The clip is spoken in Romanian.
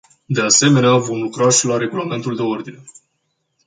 De asemenea, vom lucra și la regulamentul de ordine.